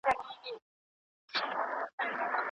چي ناوخته به هیلۍ کله راتللې